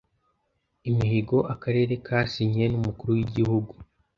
imihigo Akarere kasinyanye n’Umukuru w’Igihugu